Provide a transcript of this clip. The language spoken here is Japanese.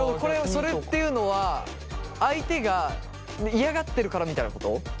それっていうのは相手が嫌がってるからみたいなこと？